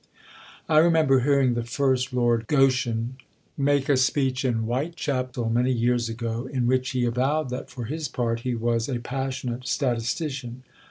I remember hearing the first Lord Goschen make a speech in Whitechapel many years ago, in which he avowed that for his part he was "a passionate statistician."